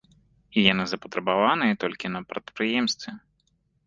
І яны запатрабаваныя толькі на прадпрыемстве.